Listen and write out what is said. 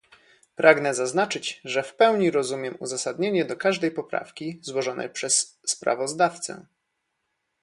Pragnę zaznaczyć, że w pełni rozumiem uzasadnienie do każdej poprawki złożonej przez sprawozdawcę